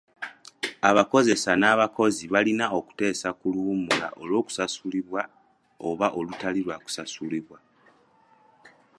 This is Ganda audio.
Abakozesa n'abakozi balina okuteesa ku luwummula olw'okusasulibwa oba olutali lwa kusasulibwa.